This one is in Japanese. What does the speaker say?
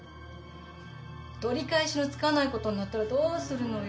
取り返しのつかないことになったらどうするのよ？